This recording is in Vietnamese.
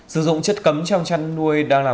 sử dụng chất cấm trong chăn nuôi đang là